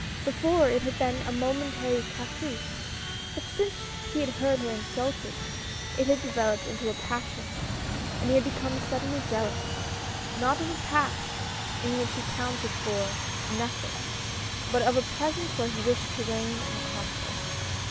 Before, it had been a momentary caprice ; but since he had heard her insulted, it had developed into a passion, and he had become suddenly jealous — not of a Past, in wliich he counted for 160 QUARRELS AND INSULTS. nothing, but of a Present where he wished to reign and conquer.